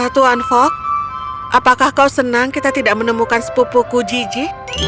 tuan fok apakah kau senang kita tidak menemukan sepupuku jiji